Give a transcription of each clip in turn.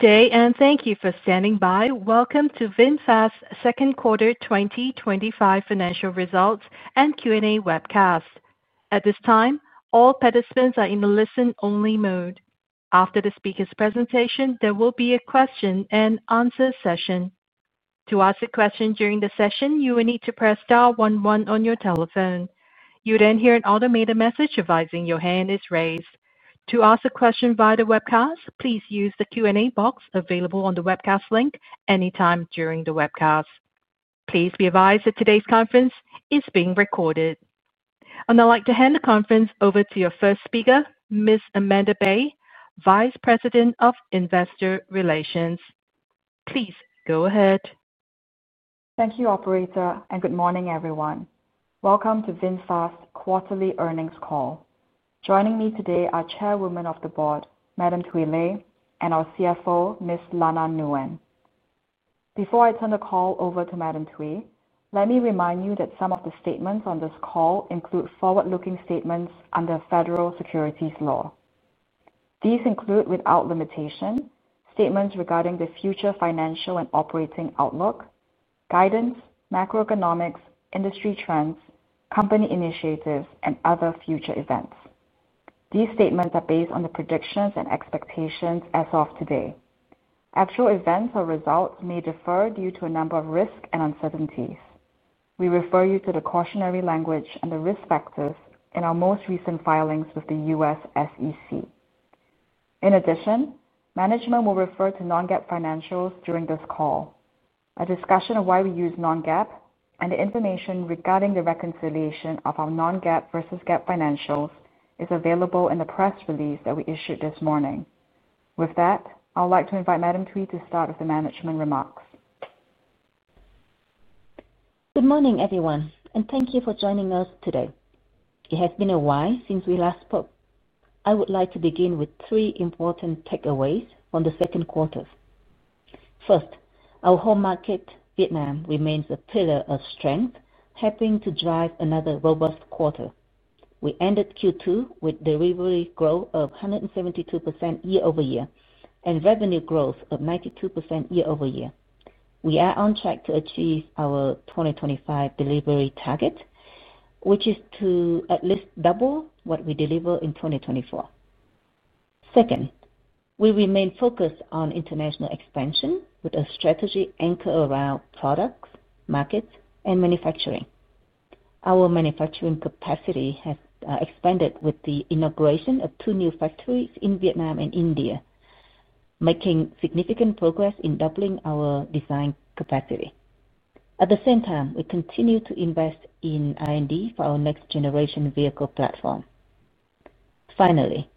Good day, and thank you for standing by. Welcome to VinFast Second Quarter twenty twenty five Financial Results and Q and A Webcast. At this time, all participants are in a listen only mode. After the speakers' presentation, there will be a question and answer session. Please be advised that today's conference is being recorded. I'd now like to hand the conference over to your first speaker, Ms. Amanda Bay, Vice President of Investor Relations. Please go ahead. Thank you, operator, and good morning, everyone. Welcome to VinFast quarterly earnings call. Joining me today are Chairwoman of the Board, Madame Tui Lei and our CFO, Ms. Lana Nguyen. Before I turn the call over to Madame Tui, let me remind you that some of the statements on this call include forward looking statements under federal securities law. These include, without limitation, statements regarding the future financial and operating outlook, guidance, macroeconomics, industry trends, company initiatives and other future events. These statements are based on the predictions and expectations as of today. Actual events or results may differ due to a number of risks and uncertainties. We refer you to the cautionary language and the risk factors in our most recent filings with the U. S. SEC. In addition, management will refer to non GAAP financials during this call. A discussion of why we use non GAAP and the information regarding the reconciliation of our non GAAP versus GAAP financials is available in the press release that we issued this morning. With that, I would like to invite Madam Twee to start with the management remarks. Good morning, everyone, and thank you for joining us today. It has been a while since we last spoke. I would like to begin with three important takeaways from the second quarter. First, our home market Vietnam remains a pillar of strength helping to drive another robust quarter. We ended Q2 with delivery growth of 172% year over year and revenue growth of 92% year over year. We are on track to achieve our 2025 delivery target, which is to at least double what we deliver in 2024. Second, we remain focused on international expansion with a strategy anchored around products, markets and manufacturing. Our manufacturing capacity has expanded with the inauguration of two new factories in Vietnam and India, making significant progress in doubling our design capacity. At the same time, we continue to invest in R and D for our next generation vehicle platform. Finally,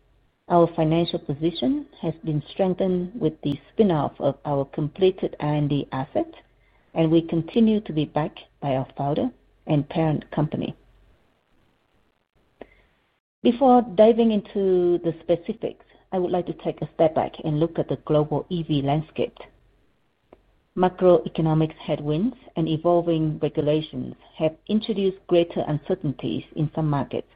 our financial position has been strengthened with the spin off of our completed R and D asset, and we continue to be backed by our founder and parent company. Before diving into the specifics, I would like to take a step back and look at the global EV landscape. Macroeconomic headwinds and evolving regulations have introduced greater uncertainties in some markets,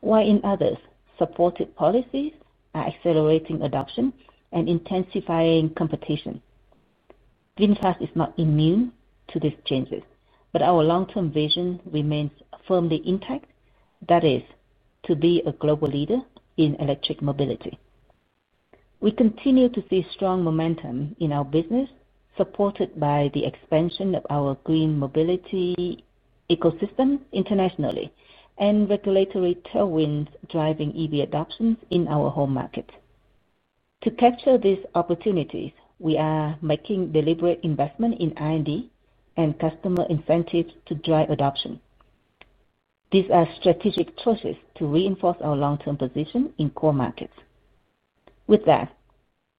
while in others, supported policies are accelerating adoption and intensifying competition. Fintech is not immune to these changes, but our long term vision remains firmly intact, that is to be a global leader in electric mobility. We continue to see strong momentum in our business supported by the expansion of our green mobility ecosystem internationally and regulatory tailwinds driving EV adoptions in our home market. To capture these opportunities, we are making deliberate investment in R and D and customer incentives to drive adoption. These are strategic choices to reinforce our long term position in core markets. With that,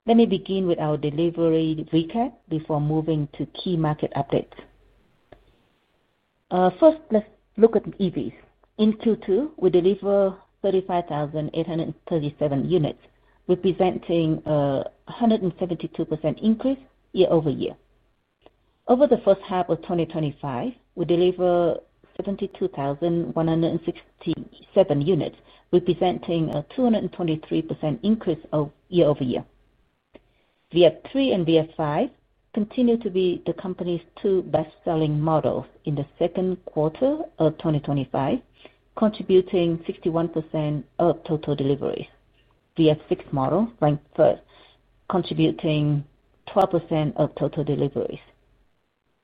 let me begin with our delivery recap before moving to key market updates. First, let's look at EVs. In Q2, we delivered 35,837 units, representing 172% increase year over year. Over the 2025, we delivered 72,167 units, representing a 223% increase year over year. VF3 and VF5 continue to be the company's two best selling models in the 2025, contributing 61% of total deliveries. VF6 model ranked first, contributing 12% of total deliveries.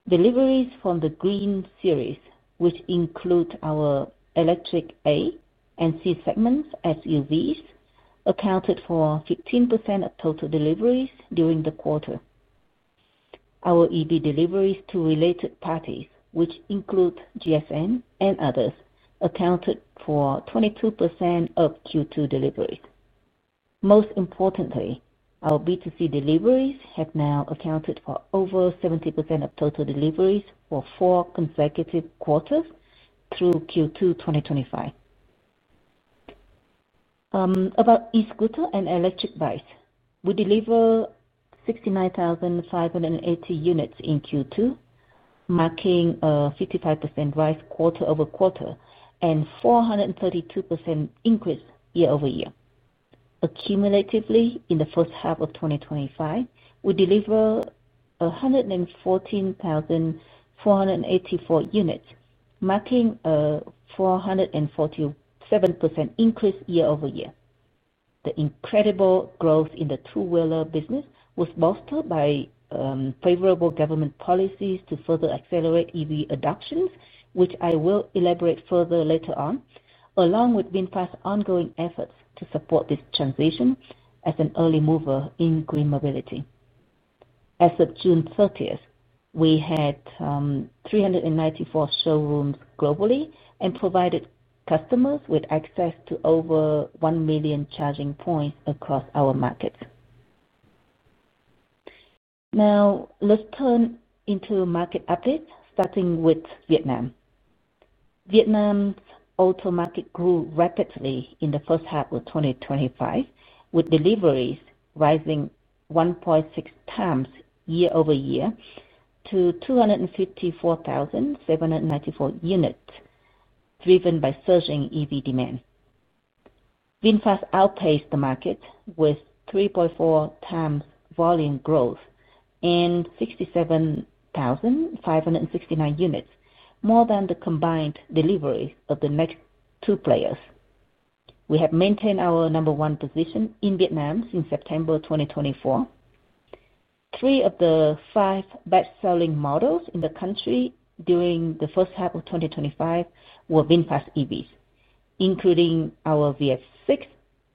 Deliveries from the Green Series, which include our electric A and C segments SUVs, accounted for 15% of total deliveries during the quarter. Our EV deliveries to related parties, which include GSM and others accounted for 22% of Q2 deliveries. Most importantly, our B2C deliveries have now accounted for over 70% of total deliveries for four consecutive quarters through Q2 twenty twenty five. About e scooter and electric bikes, we delivered 69,580 units in Q2, marking a 55% rise quarter over quarter and 432% increase year over year. Accumulatively in the 2025, we delivered 114,484 units, marking a 447% increase year over year. The incredible growth in the two wheeler business was bolstered by favorable government policies to further accelerate EV adoptions, which I will elaborate further later on, along with VinFast's ongoing efforts to support this transition as an early mover in green mobility. As of June 30, we had three ninety four showrooms globally and provided customers with access to over 1,000,000 charging points across our markets. Now let's turn into market updates, starting with Vietnam. Vietnam's auto market grew rapidly in the 2025 with deliveries rising 1.6 times year over year to 254,794 units driven by surging EV demand. VinFast outpaced the market with 3.4x volume growth and 67,569 units more than the combined delivery of the next two players. We have maintained our number one position in Vietnam since September 2024. Three of the five best selling models in the country during the 2025 were VinFast EVs, including our VF6,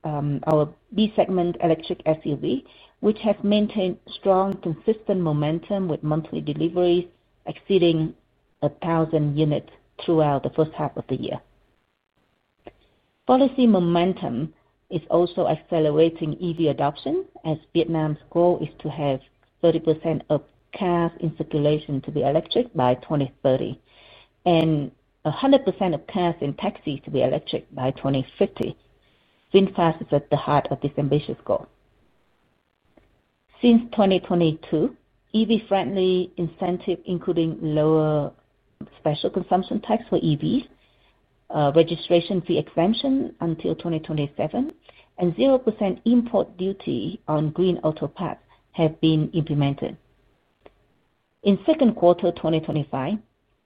our B segment electric SUV, which has maintained strong consistent momentum with monthly deliveries exceeding 1,000 units throughout the first half of the year. Policy momentum is also accelerating EV adoption as Vietnam's goal is to have 30% of cars in circulation to be electric by 2030 and one hundred percent of cars in taxis to be electric by 02/1950. FinFET is at the heart of this ambitious goal. Since 2022, EV friendly incentive including lower special consumption tax for EVs, registration fee exemption until 2027 and zero percent import duty on green auto parts have been implemented. In second quarter twenty twenty five,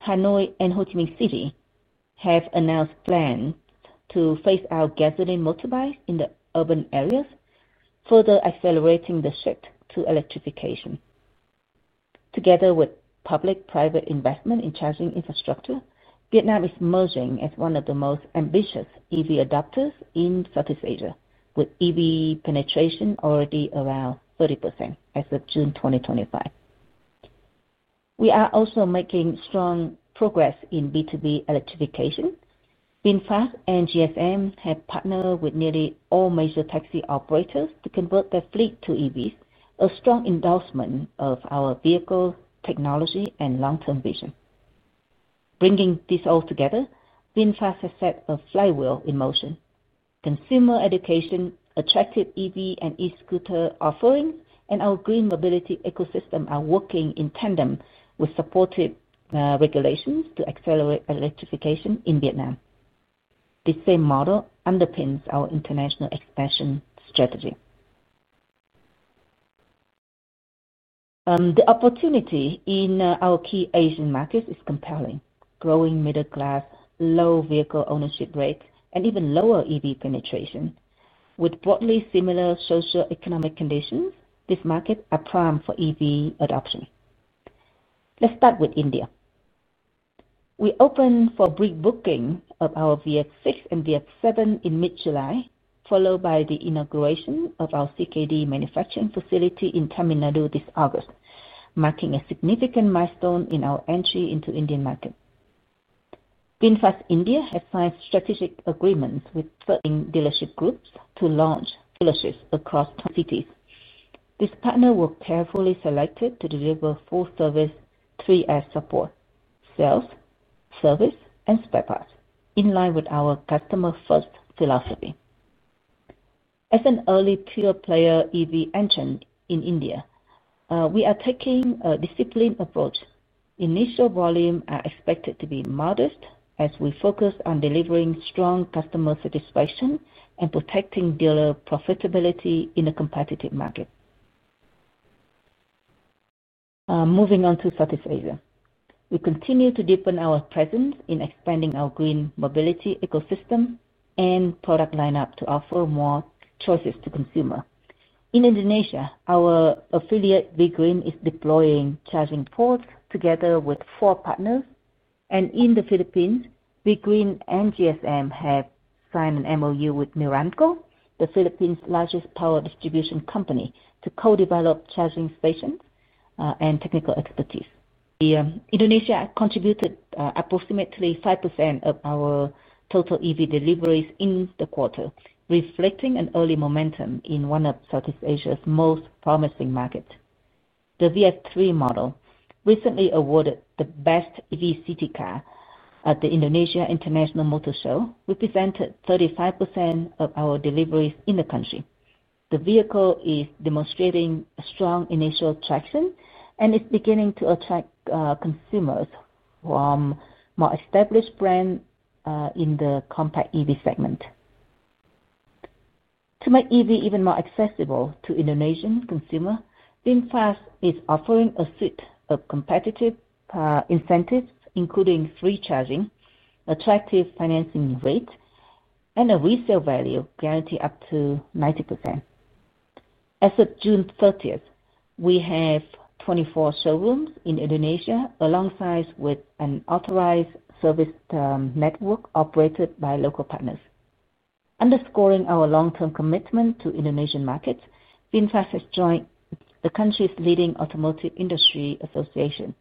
Hanoi and Ho Chi Minh City have announced plan to phase out gasoline motorbike in the urban areas, further accelerating the shift to electrification. Together with public private investment in charging infrastructure, Vietnam is merging as one of the most ambitious EV adopters in Southeast Asia with EV penetration already around 30% as of June 2025. We are also making strong progress in B2B electrification. Finfast and GSM have partnered with nearly all major taxi operators to convert their fleet to EVs, a strong endorsement of our vehicle, technology and long term vision. Bringing this all together, Finfast has set a flywheel in motion, consumer education, attractive EV and e scooter offering and our green mobility ecosystem are working in tandem with supportive regulations to accelerate electrification in Vietnam. The same model underpins our international expansion strategy. The opportunity in our key Asian markets is compelling, growing middle class, low vehicle ownership rates and even lower EV penetration. With broadly similar socioeconomic conditions, these markets are prime for EV adoption. Let's start with India. We opened for pre booking of our VX6 and VX7 in mid July, followed by the inauguration of our manufacturing facility in Tamil Nadu this August, marking a significant milestone in our entry into Indian market. Finfast India has signed strategic agreements with certain dealership groups to launch dealerships across 20 cities. This partner was carefully selected to deliver full service 3S support, sales, service and spare parts, in line with our customer first philosophy. As an early tier player EV engine in India, we are taking a disciplined approach. Initial volume are expected to be modest as we focus on delivering strong customer satisfaction and protecting dealer profitability in a competitive market. Moving on to Southeast Asia. We continue to deepen our presence in expanding our green mobility ecosystem and product lineup to offer more choices to consumer. In Indonesia, our affiliate, VGreen is deploying charging port together with four partners. And in The Philippines, Bigreen and GSM have signed an MOU with Miranco, The Philippines' largest power distribution company to co develop charging stations and technical expertise. Indonesia contributed approximately 5% of our total EV deliveries in the quarter, reflecting an early momentum in one of Southeast Asia's most promising market. The VF3 model recently awarded the best EV city car at the Indonesia International Motor Show represented 35% of our deliveries in the country. The vehicle is demonstrating a strong initial traction and is beginning to attract consumers from more established brand in the compact EV segment. To make EV even more accessible to Indonesian consumer, Finfast is offering a suite of competitive incentives including free charging, attractive financing rate and a resale value guarantee up to 90%. As of June 30, we have 24 showrooms in Indonesia, alongside with an authorized service network operated by local partners. Underscoring our long term commitment to Indonesian markets, Fintech has joined the country's leading automotive industry association.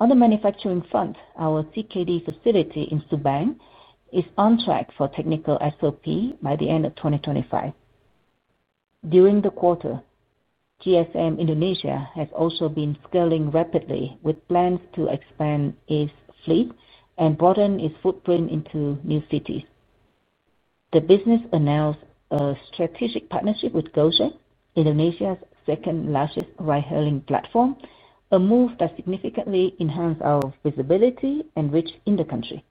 On the manufacturing front, our CKD facility in Subang is on track for technical SOP by the 2025. During the quarter, GSM Indonesia has also been scaling rapidly with plans to expand its fleet and broaden its footprint into new cities. The business announced a strategic partnership with Goshen, Indonesia's second largest ride hailing platform, a move that significantly enhanced our visibility and reach in the country.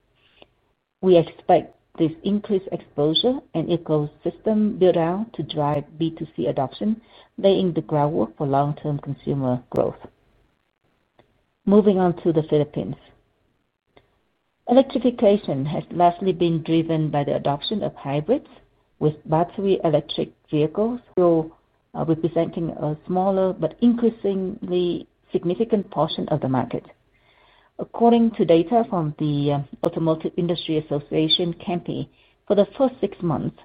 We expect this increased exposure and ecosystem build out to drive B2C adoption, laying the groundwork for long term consumer growth. Moving on to The Philippines. Electrification has largely been driven by the adoption of hybrids with battery electric vehicles, so representing a smaller but increasingly significant portion of the market. According to data from the Automotive Industry Association, Kempe, for the first six months,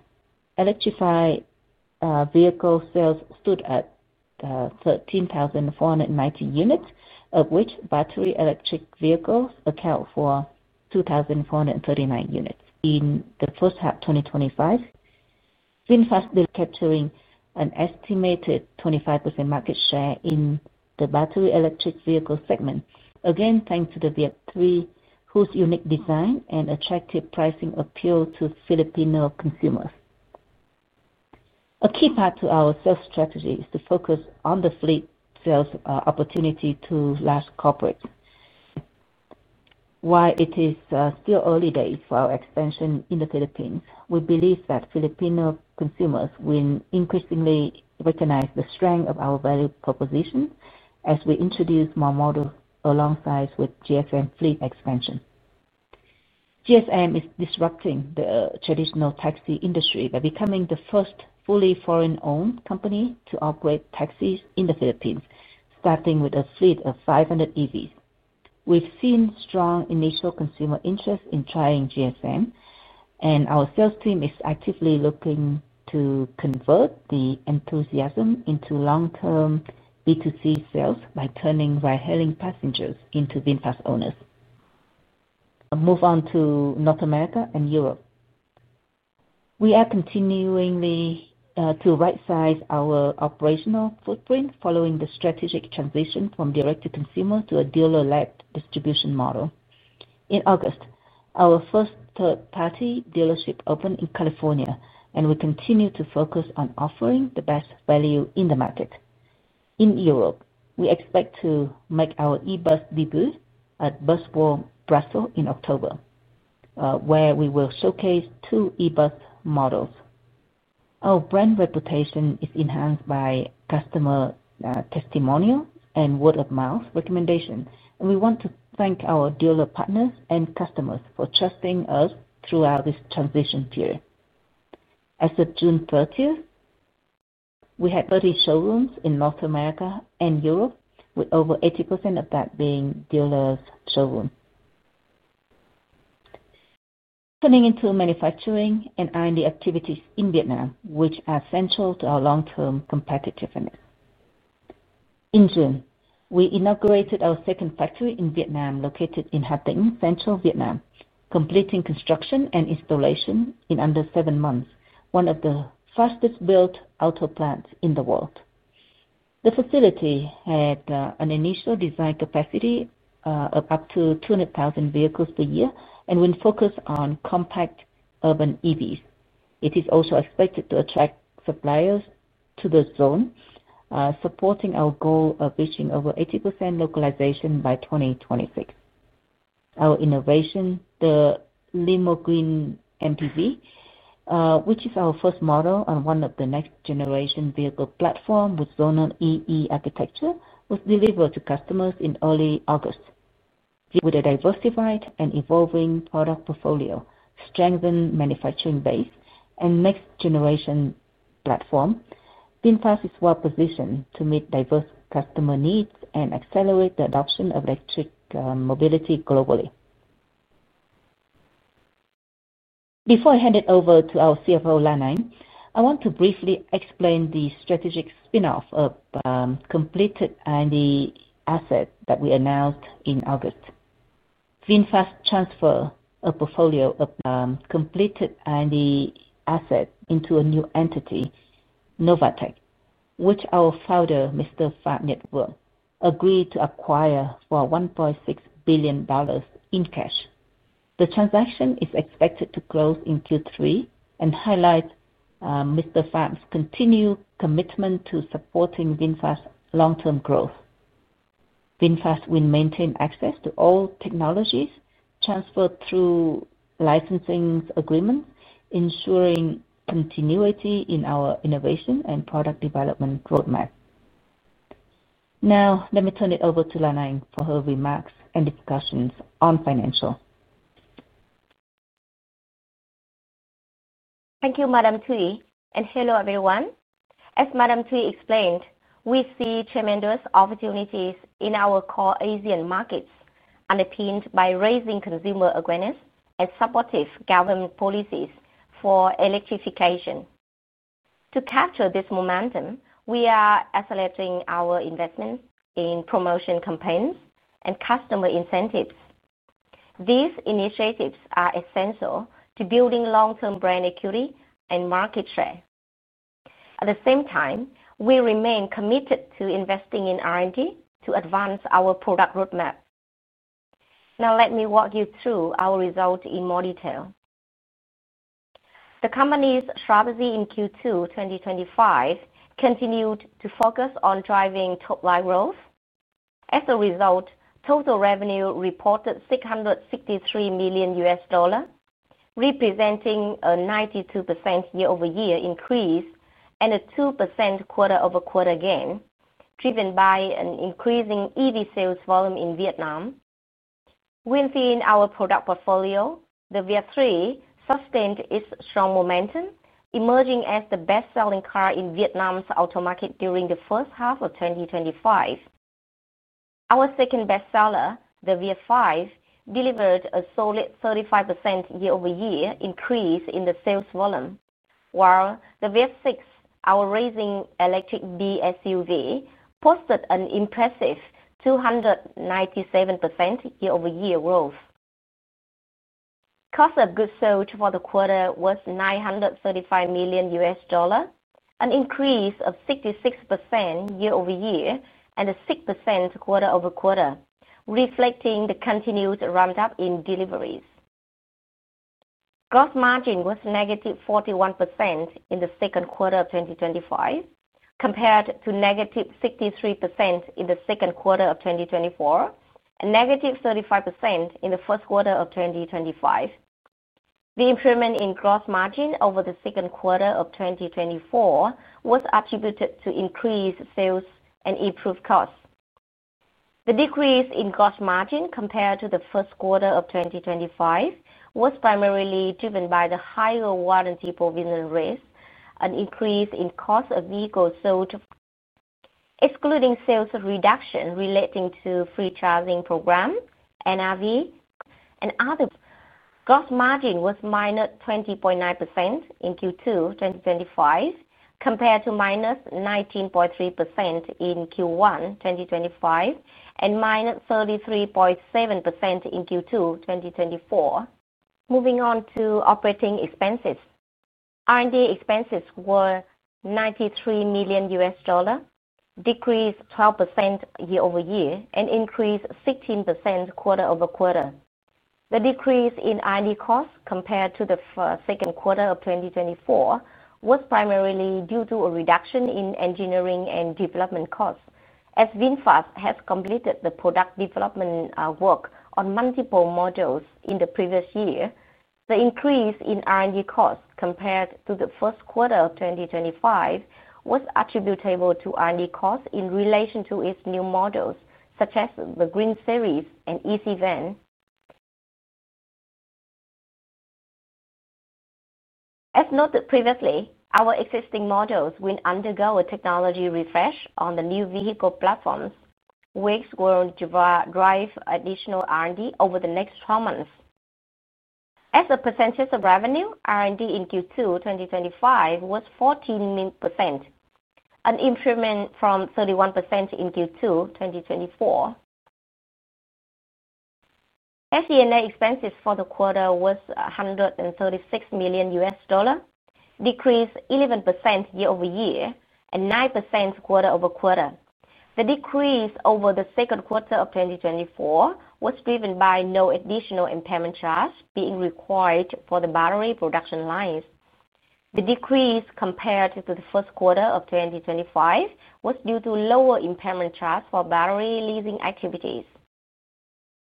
electrified vehicle sales stood at 13,419 units, of which battery electric vehicles account for 2,439 units. In the first half twenty twenty five, FinFET is capturing an estimated 25% market share in the battery electric vehicle segment, again, thanks to the VF3, whose unique design and attractive pricing appeal to Filipino consumers. A key part to our sales strategy is to focus on the fleet sales opportunity to large corporates. While it is still early days for our expansion in The Philippines, we believe that Filipino consumers will increasingly recognize the strength of our value proposition as we introduce more models alongside with GSM fleet expansion. GSM is disrupting the traditional taxi industry by becoming the first fully foreign owned company to operate taxis in The Philippines, starting with a fleet of 500 EVs. We've seen strong initial consumer interest in trying GSM and our sales team is actively looking to convert the enthusiasm into long term B2C sales by turning ride hailing passengers into VinFast owners. I'll move on to North America and Europe. We are continuing to right size our operational footprint following the strategic transition from direct to consumer to a dealer led distribution model. In August, our first third party dealership opened in California and we continue to focus on offering the best value in the market. In Europe, we expect to make our e Bus debut at Buswell Brussels in October, where we will showcase two e Bus models. Our brand reputation is enhanced by customer testimonial and word-of-mouth recommendation, and we want to thank our dealer partners and customers for trusting us throughout this transition period. As of June 30, we had 30 showrooms in North America and Europe, with over 80% of that being dealer's showroom. Turning into manufacturing and R and D activities in Vietnam, which are essential to our long term competitiveness. In June, we inaugurated our second factory in Vietnam located in Hatheng, Central Vietnam, completing construction and installation in under seven months, one of the fastest built auto plants in the world. The facility had an initial design capacity of up to 200,000 vehicles per year and will focus on compact urban EVs. It is also expected to attract suppliers to the zone, supporting our goal of reaching over 80% localization by 2026. Our innovation, the Lemo Green MPV, which is our first model and one of the next generation vehicle platform with Zonan EE architecture was delivered to customers in early August. With a diversified and evolving product portfolio, strengthened manufacturing base and next generation platform, Fintech is well positioned to meet diverse customer needs and accelerate the adoption of electric mobility globally. Before I hand it over to our CFO, Lanai, I want to briefly explain the strategic spin off of completed R and D asset that we announced in August. FinFET transfer a portfolio of completed R and D asset into a new entity, Novatec, which our Founder, Mr. Fab Network, agreed to acquire for $1,600,000,000 in cash. The transaction is expected to close in Q3 and highlight Mr. Pham's continued commitment to supporting Finfast's long term growth. Finfast will maintain access to all technologies transferred through licensing agreements, ensuring continuity in our innovation and product development roadmap. Now let me turn it over to Lanai for her remarks and discussions on financial. Thank you, Madam Tui, and hello, everyone. As Madam Tui explained, we see tremendous opportunities in our core Asian markets underpinned by raising consumer awareness and supportive government policies for electrification. To capture this momentum, we are accelerating our investments in promotion campaigns and customer incentives. These initiatives are essential to building long term brand equity and market share. At the same time, we remain committed to investing in R and D to advance our product road map. Now let me walk you through our results in more detail. The company's strategy in Q2 twenty twenty five continued to focus on driving top line growth. As a result, total revenue reported US663 million dollars representing a 92% year over year increase and a 2% quarter over quarter gain, driven by an increasing EV sales volume in Vietnam. Within our product portfolio, the VIAT3 sustained its strong momentum, emerging as the best selling car in Vietnam's auto market during the 2025. Our second best seller, the VF5, delivered a solid 35% year over year increase in the sales volume, while the VF6, our racing electric B SUV posted an impressive 297% year over year growth. Cost of goods sold for the quarter was US935 million dollars an increase of 66% year over year and 6% quarter over quarter, reflecting the continued ramp up in deliveries. Gross margin was negative 41% in the 2025 compared to negative 63% in the 2024 and negative 35% in the 2025. The improvement in gross margin over the 2024 was attributed to increased sales and improved costs. The decrease in gross margin compared to the 2025 was primarily driven by the higher warranty provision rates and increase in cost of vehicles sold excluding sales reduction relating to free charging program, NRV and other. Gross margin was minus 20.9% in Q2 twenty twenty five compared to minus 19.3% in Q1 twenty twenty five and minus 33.7% in Q2 twenty twenty four. Moving on to operating expenses. R and D expenses were US93 million dollars decreased 12% year over year and increased 16% quarter over quarter. The decrease in R and D costs compared to the 2024 was primarily due to a reduction in engineering and development costs. As VinFast has completed the product development work on multiple modules in the previous year, the increase in R and D costs compared to the 2025 was attributable to R and D costs in relation to its new modules, such as the Green Series and EC VAN. As noted previously, our existing models will undergo a technology refresh on the new vehicle platforms, which will drive additional R and D over the next twelve months. As a percentage of revenue, R and D in Q2 twenty twenty five was 14%, an improvement from 31% in Q2 twenty twenty four. SG and A expenses for the quarter was 136 million US dollar, decreased 11% year over year and 9% quarter over quarter. The decrease over the 2024 was driven by no additional impairment charge being required for the battery production lines. The decrease compared to the 2025 was due to lower impairment charge for battery leasing activities.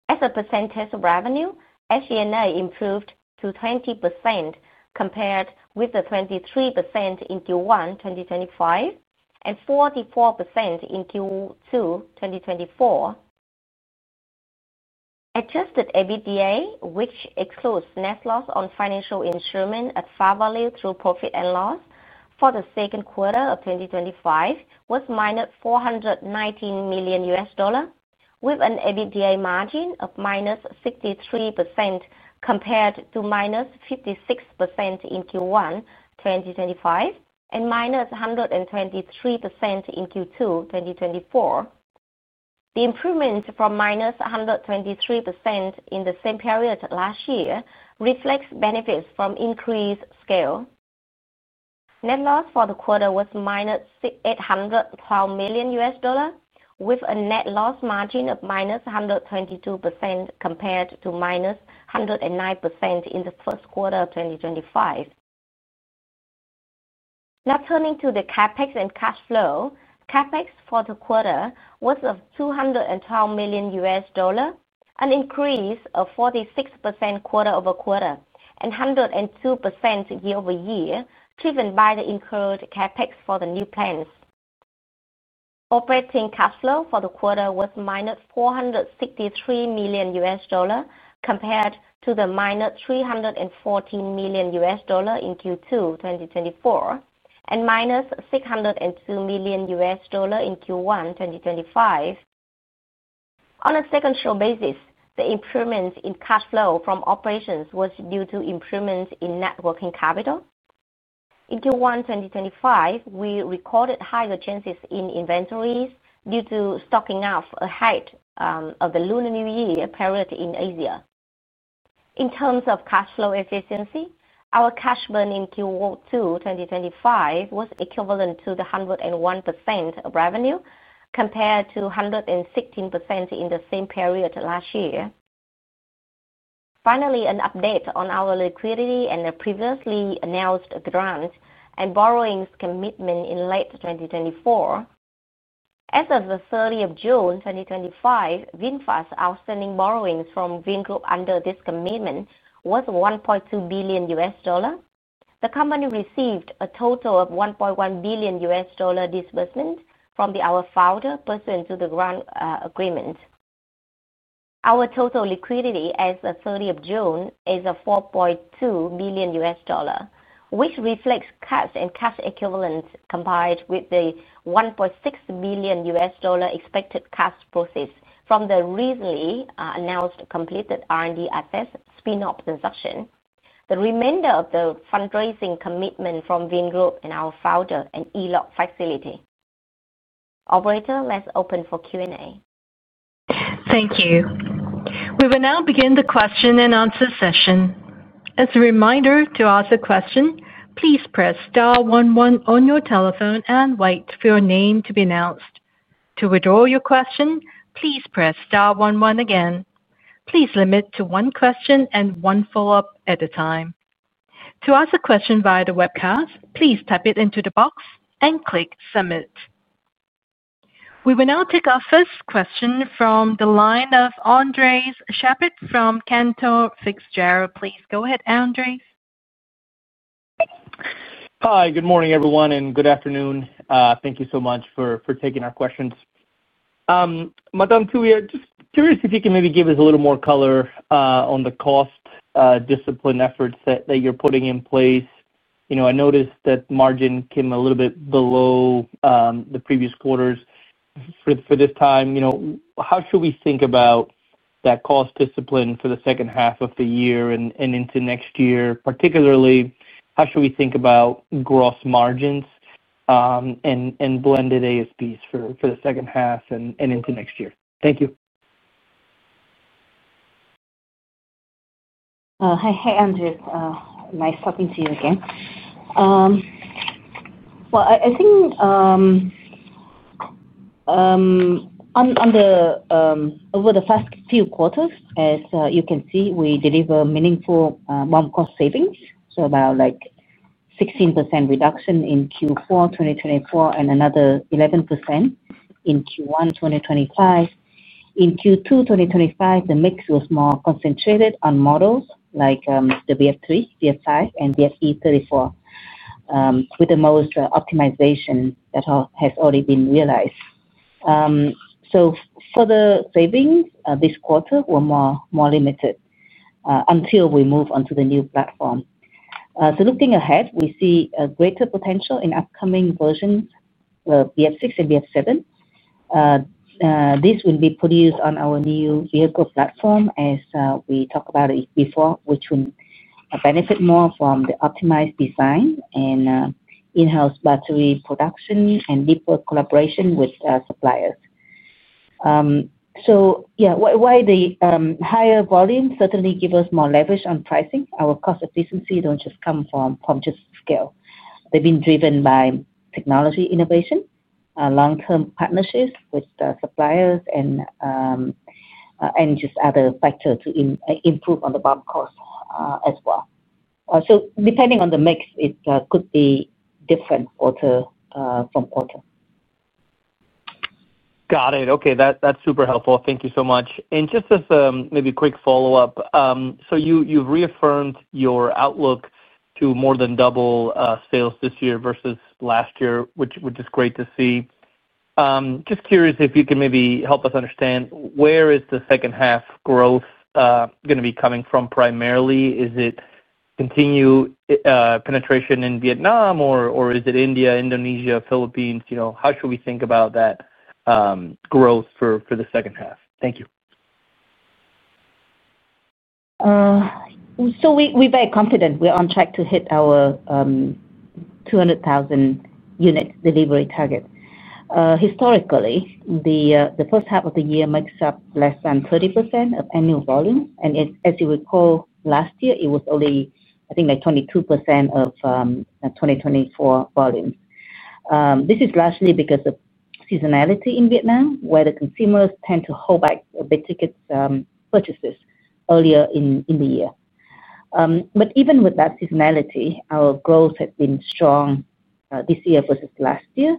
As a percentage of revenue, SG and A improved to 20% compared with the 23% in Q1 twenty twenty five and forty four percent in Q2 twenty twenty four. Adjusted EBITDA, which excludes net loss on financial instrument at Far Valley through profit and loss for the 2025 was minus US419 million dollars with an EBITDA margin of minus 63% compared to minus 56% in Q1 twenty twenty five and minus 123% in Q2 twenty twenty four. The improvement from minus 123 in the same period last year reflects benefits from increased scale. Net loss for the quarter was minus US812 million dollars with a net loss margin of minus 122% compared to minus 109% in the 2025. Now turning to the CapEx and cash flow. CapEx for the quarter was of US212 million dollars an increase of 46% quarter over quarter and 102% year over year, driven by the incurred CapEx for the new plants. Operating cash flow for the quarter was minus US463 million dollars compared to the minus US314 million dollars in Q2 twenty twenty four and minus US602 million dollars in Q1 twenty twenty five. On a second show basis, the improvements in cash flow from operations was due to improvements in net working capital. In Q1 twenty twenty five, we recorded higher chances in inventories due to stocking up ahead of the Lunar New Year period in Asia. In terms of cash flow efficiency, our cash burn in Q2 twenty twenty five was equivalent to the 101% of revenue compared to 116% in the same period last year. Finally, an update on our liquidity and the previously announced grant and borrowings commitment in late twenty twenty four. As of the 06/30/2025, VinFast outstanding borrowings from VinGroup under this commitment was US1.2 billion dollars The company received a total of US1.1 billion dollars disbursement from our founder pursuant to the grant agreement. Our total liquidity as of June 30 is US4.2 million dollars which reflects cash and cash equivalents combined with the US1.6 million dollars expected cash proceeds from the recently announced completed R and D assets spin off transaction, the remainder of the fundraising commitment from Vien Group and our Founder and ELOC facility. Operator, let's open for Q and A. Thank you. We will now begin the question and answer session. We will now take our first question from the line of Andres Sheppard from Cantor Fitzgerald. Please go ahead, Hi, good morning, everyone, and good afternoon. Thank you so much for taking our questions. Madam, Tuohy, just curious if you can maybe give us a little more color on the cost discipline efforts that you're putting in place. I noticed that margin came a little bit below the previous quarters for this time. How should we think about that cost discipline for the second half of the year and into next year? Particularly, how should we think about gross margins and blended ASPs for the second half and into next year? Thank you. Hi, Andrew. Nice talking to you again. Well, I think on the over the past few quarters, as you can see, we delivered meaningful non cost savings, so about like 16% reduction in Q4 twenty twenty four and another 11% in Q1 twenty twenty five. In Q2 twenty twenty five, the mix was more concentrated on models like the VF3, VF5 and VFe34 with the most optimization that has already been realized. So for the savings this quarter were more limited until we move on to the new platform. So looking ahead, we see a greater potential in upcoming versions of VF6 and VF7. This will be produced on our new vehicle platform as we talked about it before, which will benefit more from the optimized design and in house battery production and deeper collaboration with suppliers. So, yes, why the higher volume certainly give us more leverage on pricing, our cost efficiency don't just come from just scale. They've been driven by technology innovation, long term partnerships with suppliers and just other factors to improve on the bump cost as well. So depending on the mix, it could be different quarter from quarter. Got it. Okay. That's super helpful. Thank you so much. And just as maybe a quick follow-up. So you reaffirmed your outlook to more than double sales this year versus last year, which is great to see. Just curious if you can maybe help us understand where is the second half growth going to be coming from primarily? Is it continued penetration in Vietnam? Or is it India, Indonesia, Philippines? How should we think about that growth for the second half? So we're very confident. We're on track to hit our 200,000 unit delivery target. Historically, the first half of the year makes up less than 30% of annual volume and as you recall last year, it was only I think like 22% of 2024 volume. This is largely because of seasonality in Vietnam where the consumers tend to hold back big ticket purchases earlier in the year. But even with that seasonality, our growth has been strong this year versus last year.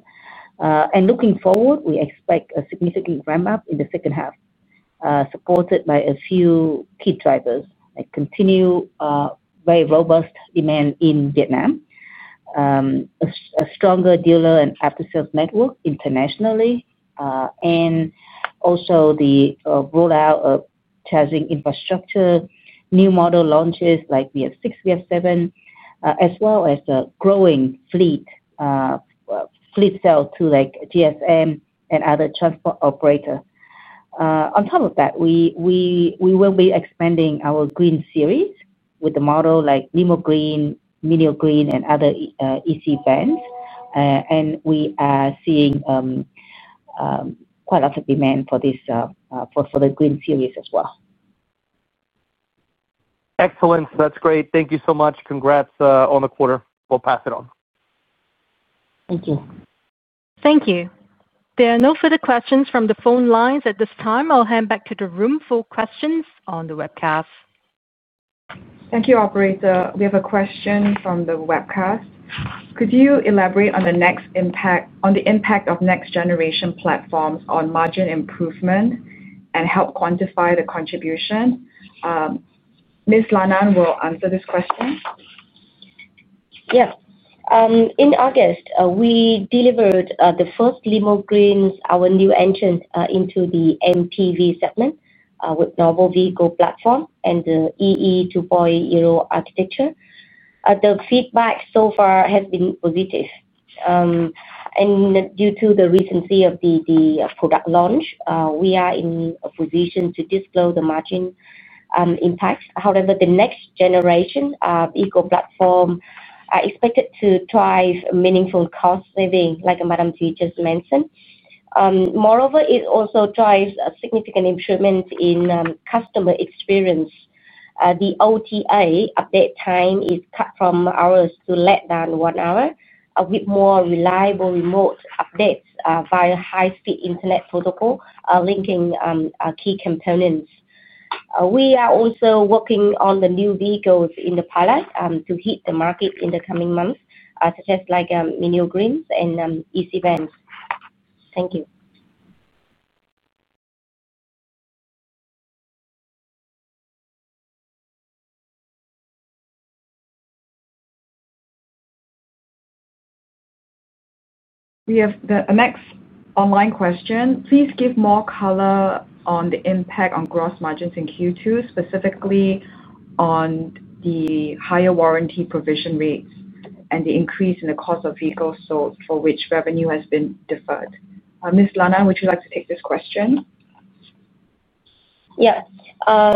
And looking forward, we expect a significant ramp up in the second half supported by a few key drivers, like continue very robust demand in Vietnam, a stronger dealer and after sales network internationally and also the rollout of charging infrastructure, new model launches like VF6, VF7 as well as growing fleet, sales to like GSM and other transport operator. On top of that, will be expanding our green series with the model like Nemo Green, Minio Green and other EC Vans. And we are seeing quite a demand for this for the green series as well. Excellent. That's great. Thank you so much. Congrats on the quarter. We'll pass it on. Thank you. Thank you. There are no further questions from the phone lines at this time. I'll hand back to the room for questions on the webcast. Thank you, operator. We have a question from the webcast. Could you elaborate on the next impact on the impact of next generation platforms on margin improvement and help quantify the contribution? Ms. Lan An will answer this question. Yes. In August, we delivered the first Lemo Greens, our new engine into the MTV segment with normal vehicle platform and EE two point zero architecture. The feedback so far has been positive. And due to the recency of the product launch, we are in a position to disclose the margin impact. However, the next generation EECO platform expected to drive meaningful cost saving like Madam T just mentioned. Moreover, it also drives a significant improvement in customer experience. The OTA update time is cut from hours to let down one hour, a bit more reliable remote updates via high speed Internet protocol linking key components. We are also working on the new vehicles in the pilot to hit the market in the coming months, such as like MinioGreens and EC Vans. Thank you. We have the next online question. Please give more color on the impact on gross margins in Q2, specifically on the higher warranty provision rates and the increase in the cost of vehicles sold for which revenue has been deferred. Ms. Lana, would you like to take this question? Yes. To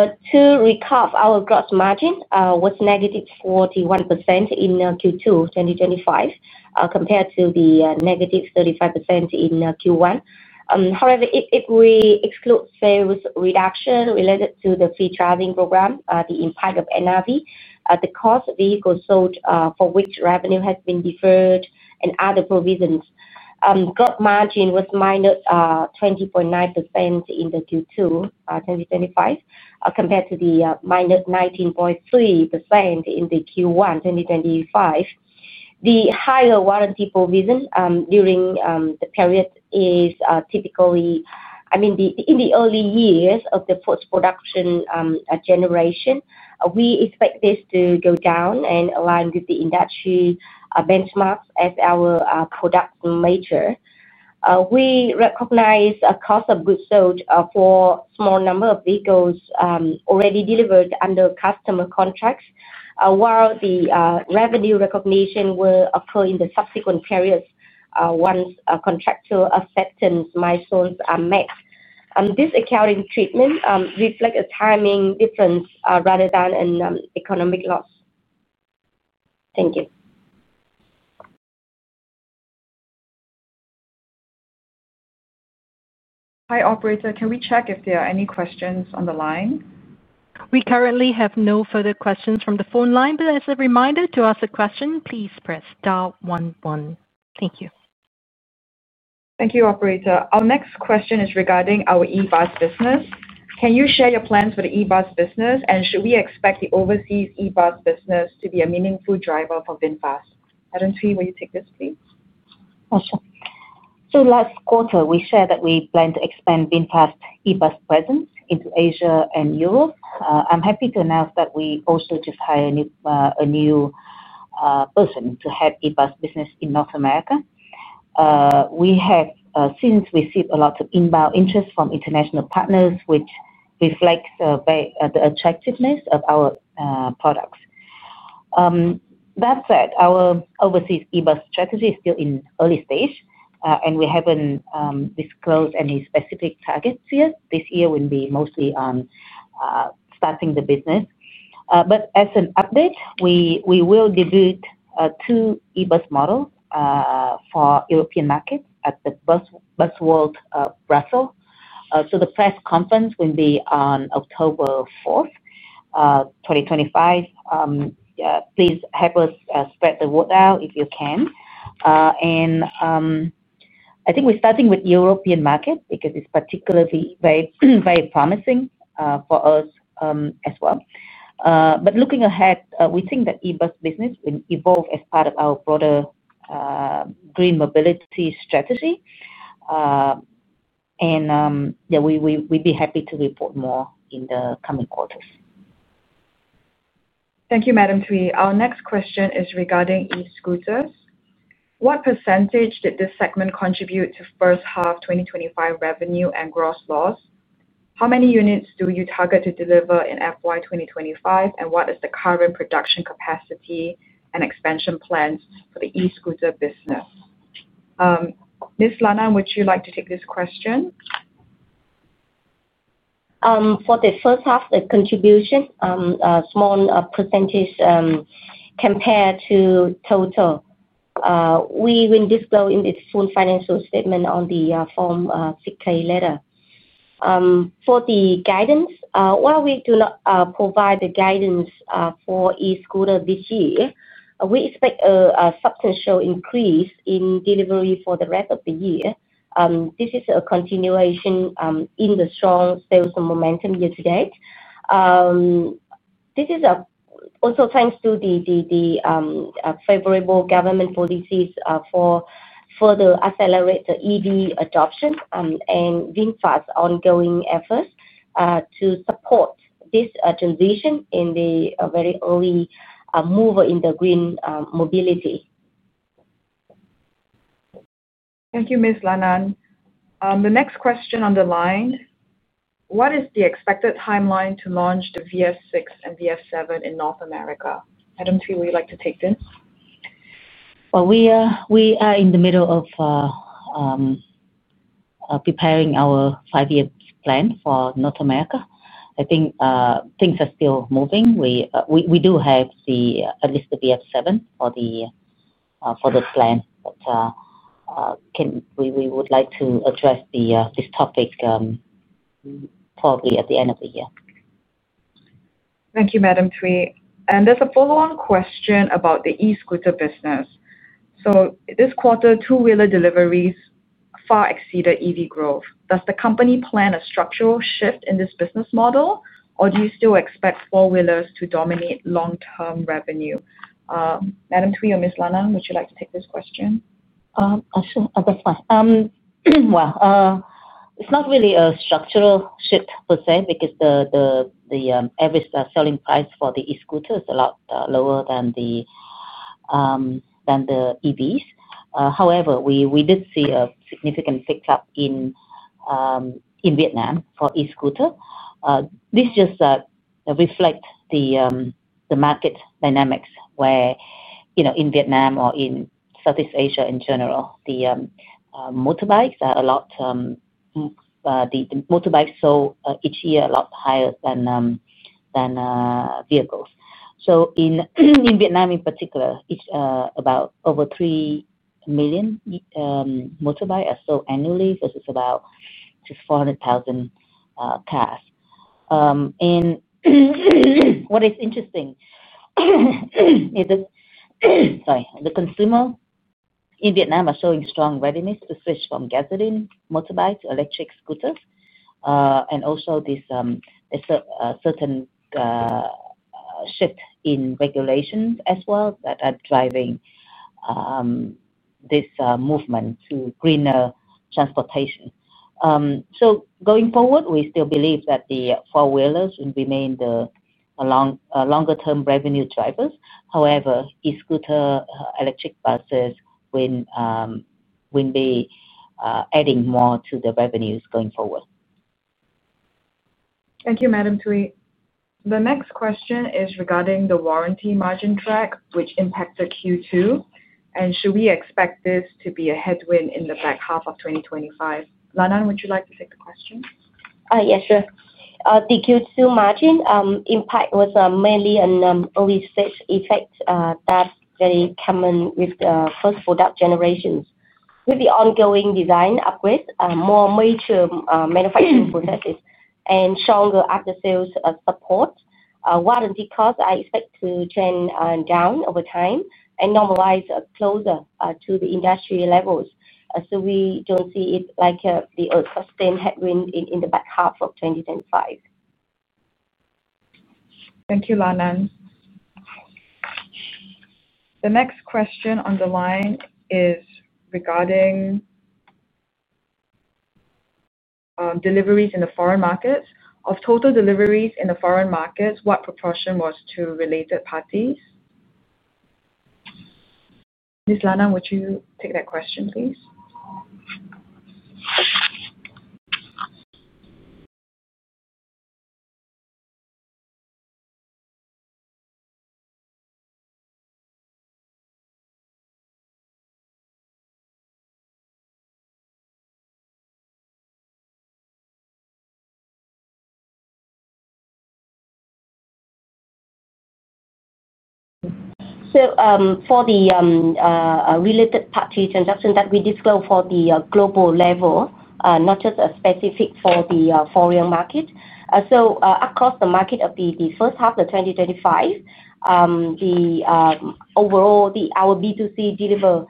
recap, our gross margin was negative 41% in Q2 twenty twenty five compared to the negative 35% in Q1. However, if we exclude sales reduction related to the free driving program, the impact of NRV, the cost of vehicles sold for which revenue has been deferred and other provisions, gross margin was minus 20.9% in the Q2 twenty twenty five compared to the minus 19.3% in the Q1 twenty twenty five. The higher warranty provision during the period is typically, I mean, the early years of the first production generation, we expect this to go down and align with the industry benchmark as our product major. We recognize a cost of goods sold for small number of vehicles already delivered under customer contracts, while the revenue recognition will occur in the subsequent periods once contractual acceptance milestones are met. This accounting treatment reflect a timing difference rather than an economic loss. Thank you. Hi, operator. Can we check if there are any questions on the line? We currently have no further questions from the phone line. Thank you. Thank you, operator. Our next question is regarding our EVAS business. Can you share your plans for the EVAS business? And should we expect the overseas EVAS business to be a meaningful driver for VinFast? Adanshu, will you take this please? Sure. So last quarter, we shared that we plan to expand VinFast eBus presence into Asia and Europe. I'm happy to announce that we also just hired a new person to have eBus business in North America. We have since received a lot of inbound interest from international partners, which reflects the attractiveness of our products. That said, our overseas ebus strategy is still in early stage and we haven't disclosed any specific targets yet. This year will be mostly on starting the business. But as an update, we will debut two e bus model for European market at the Bus World Brussels. So the press conference will be on 10/04/2025. Please help us spread the word out if you can. And I think we're starting with European market because it's particularly very promising for us as well. But looking ahead, we think that e bus business will evolve as part of our broader green mobility strategy. And we'd be happy to report more in the coming quarters. Thank you, Madam Tse. Our next question is regarding e scooters. What percentage did this segment contribute to first half twenty twenty five revenue and gross loss? How many units do you target to deliver in FY twenty twenty five? And what is the current production capacity and expansion plans for the e scooter business? Ms. Lana, would you like to take this question? For the first half contribution, small percentage compared to total. We will disclose in its full financial statement on the Form six ks letter. For the guidance, while we do not provide the guidance for e scooter this year, we expect a substantial increase in delivery for the rest of the year. This is a continuation in the strong sales momentum year to date. This is also thanks to the favorable government policies further accelerate the EV adoption and being fast ongoing efforts to support this transition in the very early mover in the green mobility. Thank you, Ms. Lanan. The next question on the line, what is the expected timeline to launch the VS6 and VS7 in North America? Adam, will you like to take this? Well, we are in the middle of preparing our five year plan for North America. I think things are still moving. We do have the at least the BF7 for the plan. Can we would like to address this topic probably at the end of the year. Thank you, Madam Tse. And there's a follow on question about the e scooter business. So this quarter, two wheeler deliveries far exceeded EV growth. Does the company plan a structural shift in this business model? Or do you still expect four wheelers to dominate long term revenue? Madam three or Ms. Lana, would you like to take this question? Sure. That's fine. Well, it's not really a structural shift per se because the average selling price for the e scooter is a lot lower the EVs. However, we did see a significant pickup in Vietnam for e scooter. This just reflects the market dynamics where in Vietnam or in Southeast Asia in general, the motorbikes are a lot the motorbikes sold each year a lot higher than vehicles. So in in Vietnam, in particular, it's about over 3,000,000 motorbikes sold annually versus about just 400,000 cars. And what is interesting is that sorry. The consumer in Vietnam are showing strong readiness to switch from gasoline motorbike to electric scooters. And also this there's a a certain shift in regulation as well that are driving this movement to greener transportation. So going forward, we still believe that the four wheelers will remain longer term revenue drivers. However, e scooter electric buses will be adding more to the revenues going forward. Thank you, Madam Tui. The next question is regarding the warranty margin track, which impacted Q2. And should we expect this to be a headwind in the back half of twenty twenty five? Lana, would you like to take the question? Yes, sure. The Q2 margin impact was mainly an early stage effect that's very common with first product generations. With the ongoing design upgrade, more major manufacturing processes and stronger after sales support. Warranty cost, expect to trend down over time and normalize closer to the industry levels. So we don't see it like a sustained headwind in the 2025. Thank you, Langan. The next question on the line is regarding deliveries in the foreign markets. Of total deliveries in the foreign markets, what proportion was to related parties? Ms. Lana, would you take that question, please? So for the related part two transactions that we did go for the global level, not just a specific for foreign market. So across the market of the 2025, the overall, the our B2C deliver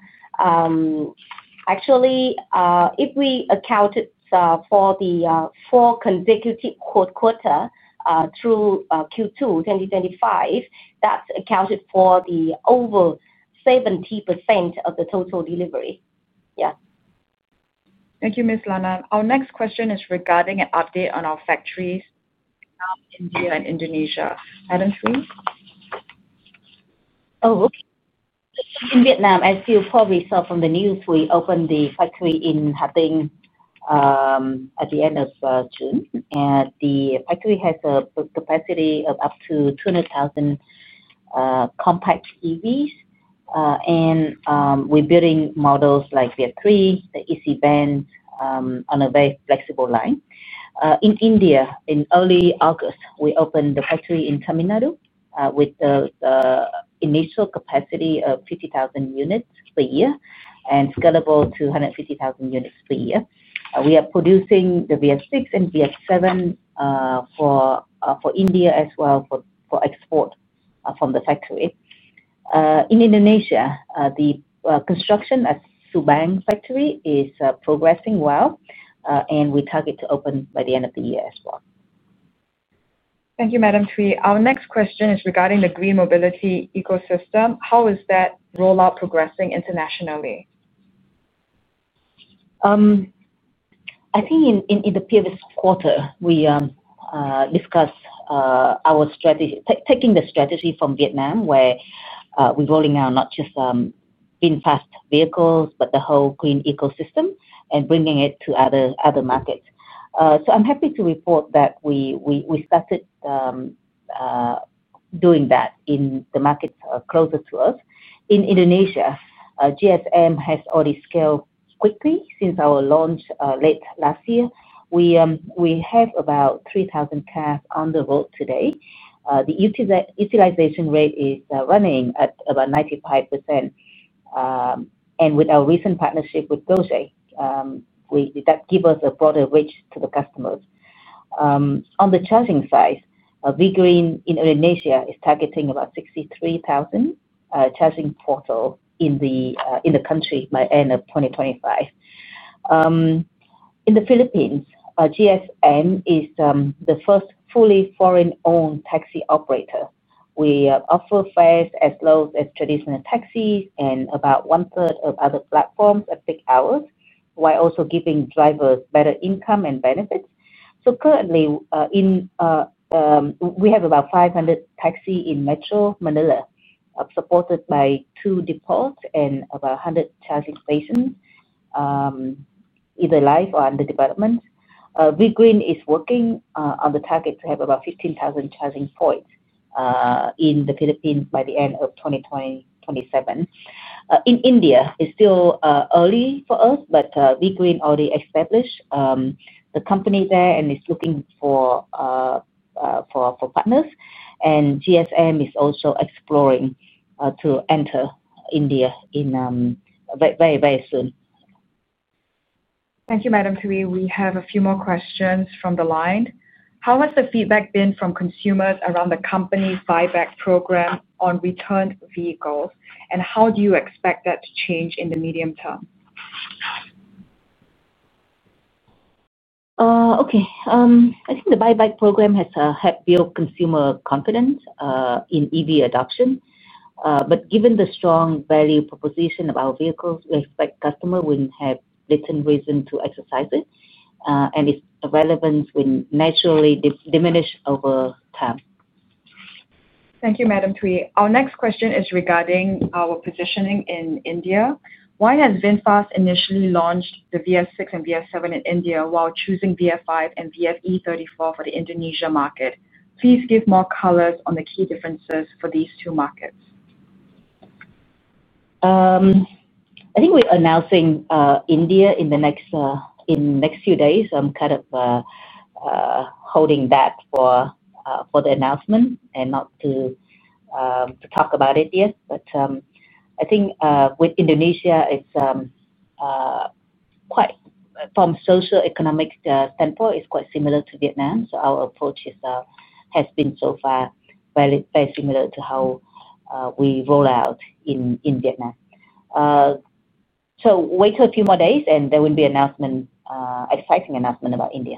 actually, if we accounted for the four consecutive quarter through Q2 twenty twenty five, that accounted for the over 70 of the total delivery. Thank you, Ms. Lana. Our next question is regarding an update on our factories in India and Indonesia. Adam, please? Oh, okay. In Vietnam, as you probably saw from the news, we opened the factory in Haping at the June. And the factory has a capacity of up to 200,000 compact EVs and we're building models like the three, the EC band on a very flexible line. In India, in early August, we opened the factory in Tamil Nadu with initial capacity of 50,000 units per year and scalable 250,000 units per year. We are producing the VF6 and VF7 for India as well for export from the factory. In Indonesia, the construction at Subang factory is progressing well and we target to open by the end of the year as well. Thank you, Madam Tse. Our next question is regarding the green mobility ecosystem. How is that rollout progressing internationally? I think in the previous quarter, we discussed our strategy taking the strategy from Vietnam where we're rolling out not just in fast vehicles, but the whole clean ecosystem and bringing it to other markets. So I'm happy to report that we started doing that in the markets closer to us. In Indonesia, GSM has already scaled quickly since our launch late last year. We have about 3,000 cars on the road today. The utilization rate is running at about 95%. And with our recent partnership with Bose, did that give us a broader reach to the customers. On the charging side, VGreen in Indonesia is targeting about 63,000 charging portal in the country by 2025. In The Philippines, GSM is the first fully foreign owned taxi operator. We offer fares as low as traditional taxi and about one third of other platforms at peak hours, while also giving drivers better income and benefits. So currently, in we have about 500 taxi in Metro Manila supported by two depots and about 100 charging stations either live or under development. Big Green is working on the target to have about 15,000 charging points in The Philippines by the 2027. In India, it's still early for us, but Big Green already established the company there and is looking for partners. And GSM is also exploring to enter India in very, very soon. Thank you, Madam Phoebe. We have a few more questions from the line. How has the feedback been from consumers around the company's buyback program on returned vehicles? And how do you expect that to change in the medium term? Okay. I think the buyback program has helped build consumer confidence in EV adoption. But given the strong value proposition of our vehicles, we expect customer wouldn't have written reason to exercise it and its relevance will naturally diminish over time. Thank you, Madam Twee. Our next question is regarding our positioning in India. Why has VinFast initially launched the VS6 and VS7 in India while choosing VF5 and VFE34 for the Indonesia market? Please give more colors on the key differences for these two markets. I think we're announcing India in the next few days. I'm kind of holding that for for the announcement and not to to talk about it yet. But I think with Indonesia, it's quite from social economic standpoint, it's quite similar to Vietnam. So our approach is has been so far very similar to how we roll out in in Vietnam. So wait a few more days and there will be announcement exciting announcement about India.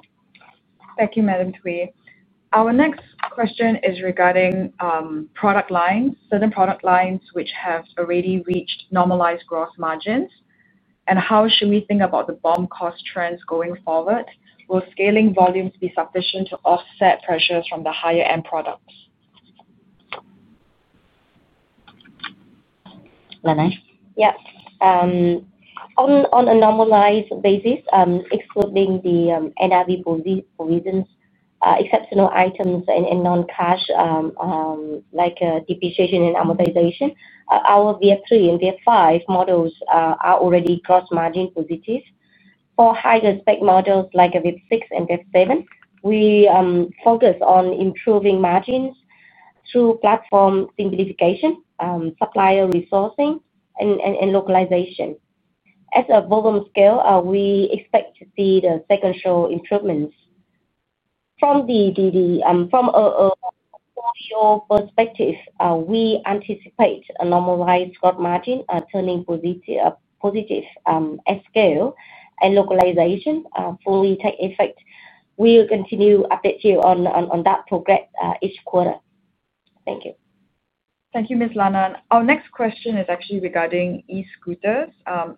Thank you, Madam Twee. Our next question is regarding product lines, certain product lines which have already reached normalized gross margins. And how should we think about the BOM cost trends going forward? Will scaling volumes be sufficient to offset pressures from the higher end products? Renee? Yes. On a normalized basis, excluding the NIV for reasons, exceptional items and noncash like depreciation and amortization, Our VF three and VF five models are already gross margin for VT. For high respect models like VF six and VF seven, we focus on improving margins through platform simplification, supplier resourcing and localization. As a volume scale, we expect to see the second show improvements. From the from your perspective, we anticipate a normalized gross margin turning positive at scale and localization fully take effect. We will continue update you on that progress each quarter. Thank you. Thank you, Ms. Lana. Our next question is actually regarding e scooters.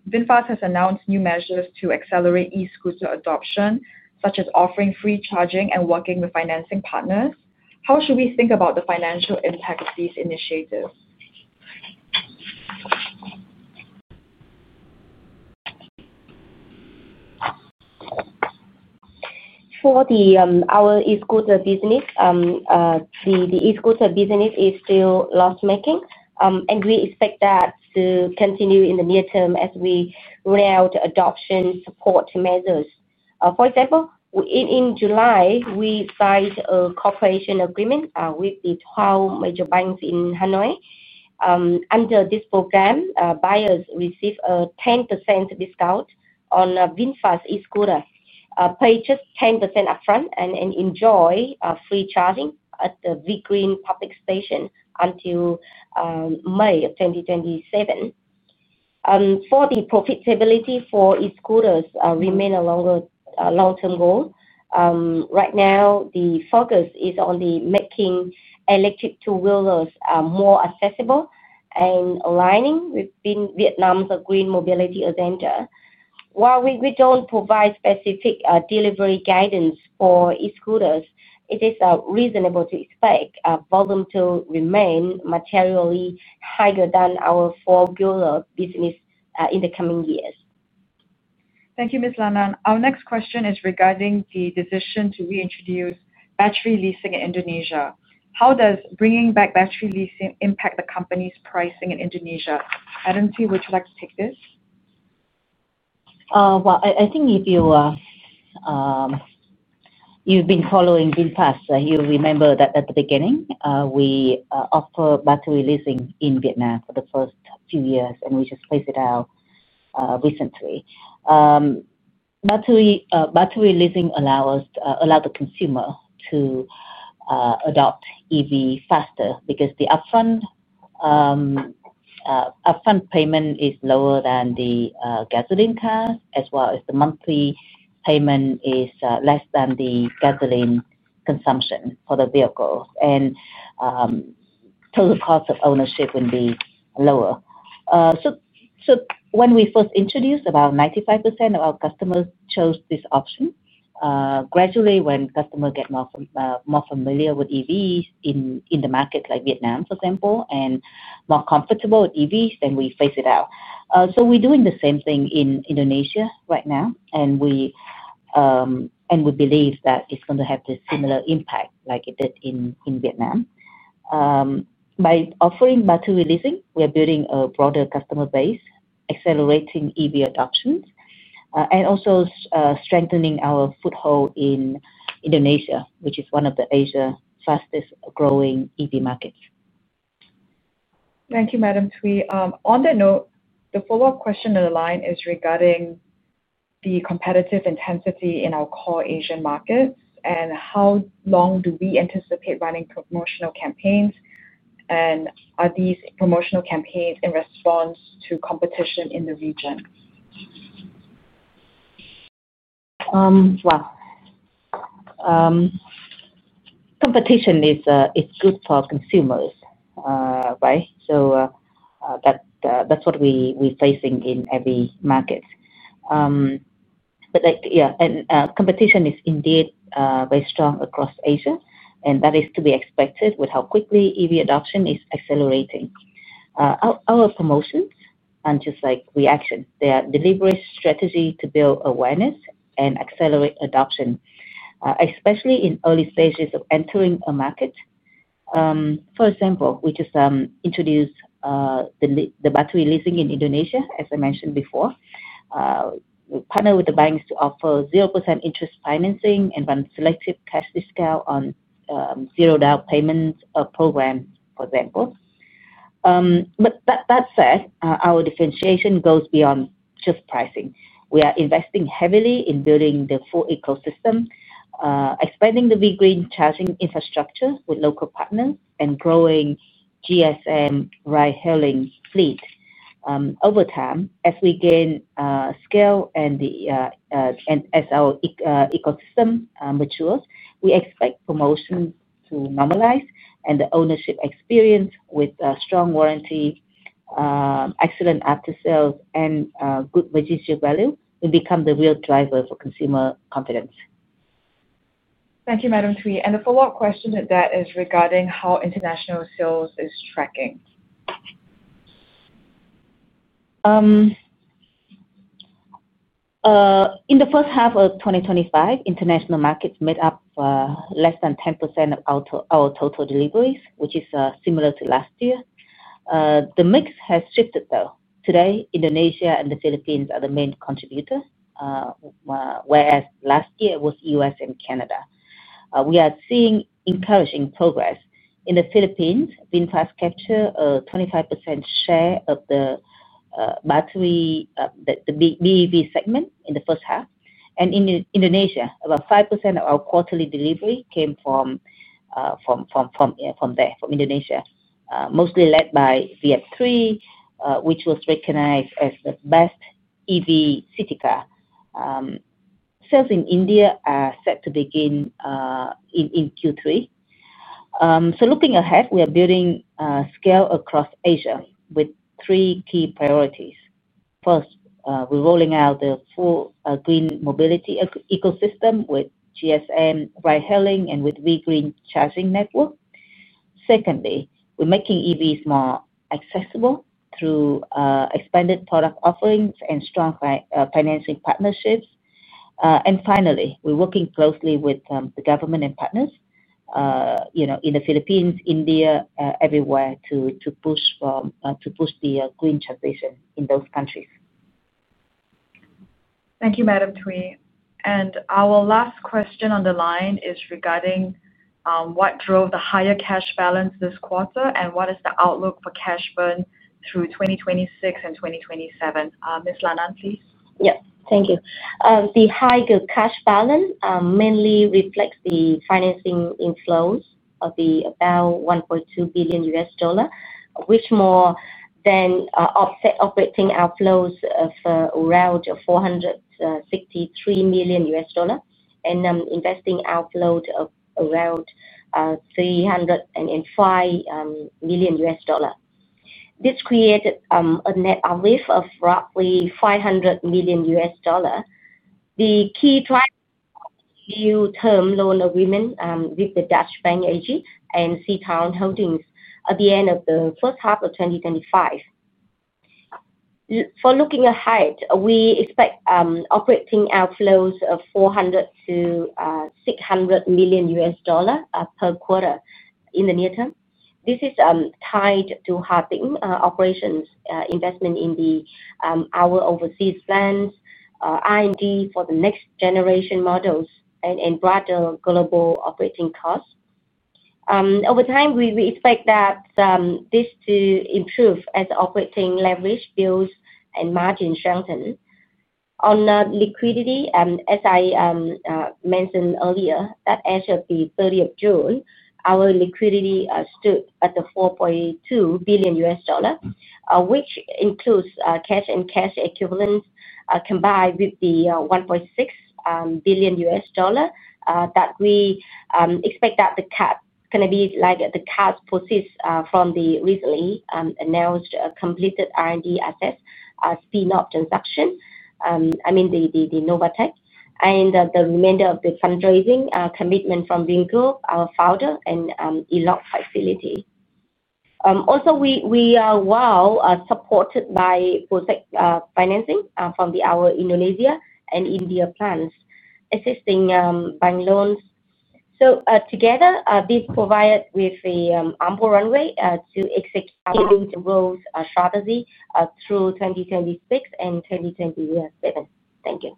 VinFast has announced new measures to accelerate e scooter adoption, such as offering free charging and working with financing partners. How should we think about the financial impact of these initiatives? For the our East Coast business, the the East Coast business is still loss making, and we expect that to continue in the near term as we route adoption support measures. For example, in in July, we signed a cooperation agreement with the 12 major banks in Hanoi. Under this program, buyers receive a 10% discount on a BINFAS e scooter. Pay just 10% upfront and and enjoy free charging at the Big Green public station until May 2027. For the profitability for e scooters remain a longer long term goal. Right now, the focus is on the making electric two wheelers more accessible and aligning within Vietnam's green mobility agenda. While we don't provide specific delivery guidance for e scooters, it is reasonable to expect volume to remain materially higher than our four gs business in the coming years. Thank you, Ms. Langan. Our next question is regarding the decision to reintroduce battery leasing in Indonesia. How does bringing back battery leasing impact the company's pricing in Indonesia? Adam, would you like to take this? Well, I think if you you've been following in past, you remember that at the beginning, we offer battery leasing in Vietnam for the first few years and we just place it out recently. Battery leasing allow us allow the consumer to adopt EV faster because the upfront payment is lower than the gasoline car as well as the monthly payment is less than the gasoline consumption for the vehicle and total cost of ownership will be lower. So when we first introduced, 95% of our customers chose this option. Gradually, when customer get more more familiar with EVs in in the market like Vietnam, for example, and more comfortable with EVs, then we face it out. So we're doing the same thing in Indonesia right now, and we and we believe that it's gonna have the similar impact like it did in in Vietnam. By offering battery leasing, we are building a broader customer base, accelerating EV adoption, and also strengthening our foothold in Indonesia, which is one of the Asia fastest growing EV markets. Thank you, Madam Thuy. On the note, the follow-up question on the line is regarding the competitive intensity in our core Asian markets and how long do we anticipate running promotional campaigns? And are these promotional campaigns in response to competition in the region? Well, competition is good for consumers, right? So that that's what we we're facing in every market. But, like yeah. And competition is indeed very strong across Asia, and that is to be expected with how quickly EV adoption is accelerating. Promotions and just like reaction, they are deliberate strategy to build awareness and accelerate adoption, especially in early stages of entering a market. For example, we just introduced the battery leasing in Indonesia, as I mentioned before. We partner with the banks to offer 0% interest financing and one selective cash discount on $0 payment program for example. But that said, our differentiation goes beyond just pricing. We are investing heavily in building the full ecosystem, expanding the big green charging infrastructure with local partners and growing GSM ride hailing fleet. Over time, as we gain scale and the as our ecosystem matures, we expect promotions to normalize and the ownership experience with strong warranty, excellent after sales and good value will become the real driver for consumer confidence. Thank you, Madam Tse. And a follow-up question to that is regarding how international sales is tracking. In the 2025, international markets made up less than 10% of our total deliveries, which is similar to last year. The mix has shifted though. Today, Indonesia and The Philippines are the main contributors, whereas last year, it was U. S. And Canada. We are seeing encouraging progress. In The Philippines, Fintech's capture 25% share of the battery, the BEV segment in the first half. And in Indonesia, about 5% of our quarterly delivery came from there, from Indonesia, mostly led by VF3, which was recognized as the best EV city car. Sales in India are set to begin in Q3. So looking ahead, we are building scale across Asia with three key priorities. First, we're rolling out the full green mobility ecosystem with GSM ride hailing and with vGreen charging network. Secondly, we're making EVs more accessible through expanded product offerings and strong financing partnerships. And finally, we're working closely with the government and partners, in The Philippines, India, everywhere to push the green transition in those countries. Thank you, Madam Twee. And our last question on the line is regarding what drove the higher cash balance this quarter and what is the outlook for cash burn through 2026 and 2027. Ms. Lanan, please? Yes. Thank you. The high cash balance mainly reflects the financing inflows of the about US1.2 billion dollars which more than offset operating outflows of around US463 million dollars and investing outflows of around 305,000,000. This created a net uplift of roughly 500,000,000 US dollar. The key new term loan agreement with the Dutch Bank AG and SeaTown Holdings at the end of the 2025. For looking ahead, we expect operating outflows of US400 million to US600 million dollars per quarter in the near term. This is tied to having operations investment in the our overseas plans, R and D for the next generation models and in broader global operating costs. Over time, we expect that this to improve as operating leverage builds and margin strengthen. On liquidity, as I mentioned earlier, that as of the thirtieth June, our liquidity stood at the 4,200,000,000.0 US dollar, which includes cash and cash equivalents combined with the 1,600,000,000.0 US dollar that we expect that the cap is going to be like the cap proceeds from the recently announced completed R and D assets, spin off transaction, I mean the NovoTech and the remainder of the fundraising commitment from Bing Group, our founder and Elok facility. Also, we we are well supported by project financing from the our Indonesia and India plans, assisting bank loans. So together, this provide with ample runway to execute growth strategy through 2026 and 2027. Thank you.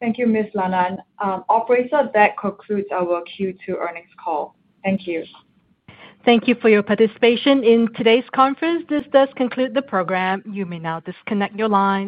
Thank you, Ms. Langan. Operator, that concludes our Q2 earnings call. Thank you. Thank you for your participation in today's conference. This does conclude the program. You may now disconnect your lines.